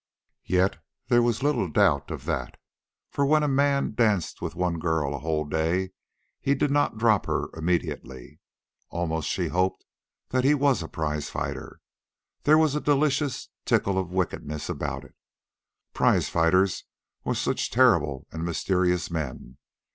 Yet there was little doubt of that, for when a man danced with one girl a whole day he did not drop her immediately. Almost she hoped that he was a prizefighter. There was a delicious tickle of wickedness about it. Prizefighters were such terrible and mysterious men.